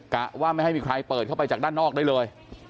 กะว่าไม่ให้มีใครเปิดเข้าไปจากด้านนอกได้เลย